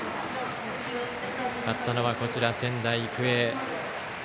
勝ったのは仙台育英。